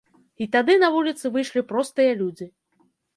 І тады на вуліцы выйшлі простыя людзі.